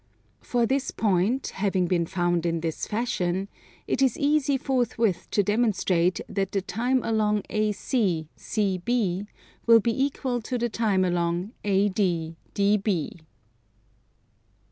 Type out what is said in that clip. For this point, having been found in this fashion, it is easy forthwith to demonstrate that the time along AC, CB, will be equal to the time along AD, DB.